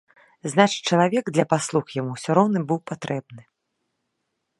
Значыць, чалавек для паслуг яму ўсё роўна быў патрэбны.